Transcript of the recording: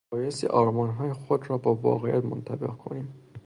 بایستی آرمانهای خود را با واقعیت منطبق کنیم.